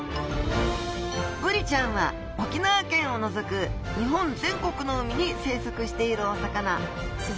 ブリちゃんは沖縄県を除く日本全国の海に生息しているお魚。